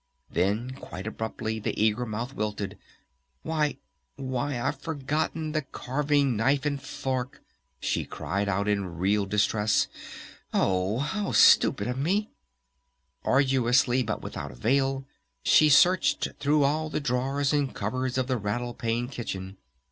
Then quite abruptly the eager mouth wilted. "Why ... Why I've forgotten the carving knife and fork!" she cried out in real distress. "Oh, how stupid of me!" Arduously, but without avail, she searched through all the drawers and cupboards of the Rattle Pane kitchen.